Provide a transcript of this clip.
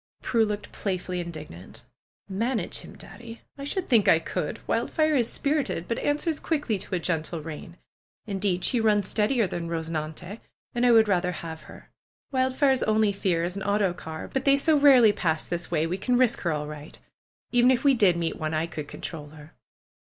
Prue looked playfully indignant. ^'Manage him. Daddy ! I should think I could ! Wild fire is spirited; but answers quickly to a gentle rein. Indeed, she runs steadier than Eosenante, and I would rather have her. Wildfire's only fear is an autocar. But they so rarely pass this way, we can risk her all right. Even if we did meet one, I could control her."